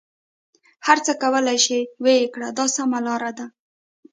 هر څه کولای شې ویې کړه دا سمه لاره ده.